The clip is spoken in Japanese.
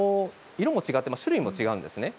色も違って種類も違うんです。